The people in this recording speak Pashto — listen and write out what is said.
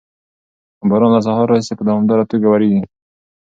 باران له سهار راهیسې په دوامداره توګه ورېږي.